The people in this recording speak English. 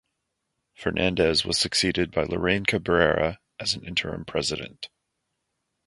Fernandez was succeeded by Lorraine Cabrera as an interim President.